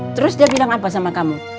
terus dia bilang apa sama kamu